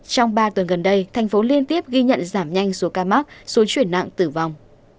trong ba tuần gần đây thành phố liên tiếp ghi nhận giảm nhanh số ca mắc số chuyển nặng tử vong